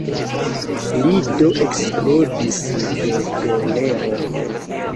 Li do eksplodis de kolero.